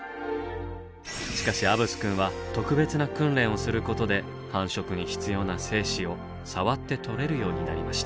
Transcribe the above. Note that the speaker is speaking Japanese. しかしアブスくんは特別な訓練をすることで繁殖に必要な精子を触って採れるようになりました。